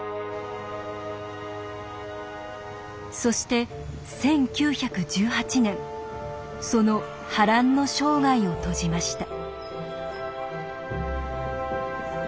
そして１９１８年その波乱の生涯を閉じました。